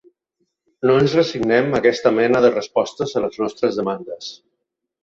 No ens resignem a aquesta mena de respostes a les nostres demandes.